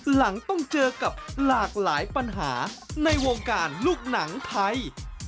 หลังต้องเจอกับหลากหลายปัญหาในวงการลูกหนังไทย